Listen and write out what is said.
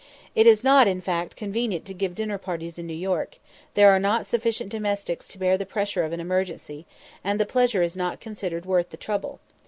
It is not, in fact, convenient to give dinner parties in New York; there are not sufficient domestics to bear the pressure of an emergency, and the pleasure is not considered worth the trouble.